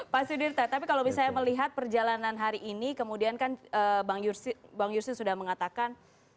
pak sudirta tapi kalau misalnya melihat perjalanan hari ini kemudian kan bang yusri sudah mengatakan